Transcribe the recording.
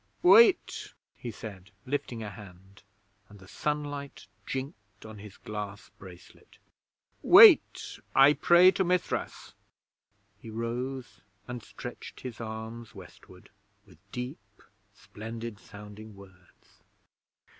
'Wait!' he said, lifting a hand, and the sunlight jinked on his glass bracelet. 'Wait! I pray to Mithras!' He rose and stretched his arms westward, with deep, splendid sounding words.